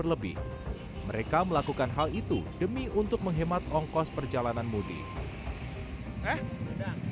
lebih mereka melakukan hal itu demi untuk menghemat ongkos perjalanan mudik dan